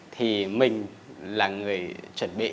thì mình là người chuẩn bị